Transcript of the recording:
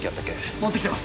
持ってきてます